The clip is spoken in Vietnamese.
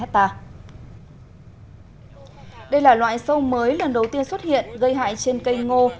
sâu keo mùa thu hại ngô là loại sâu mới lần đầu tiên xuất hiện gây hại trên cây ngô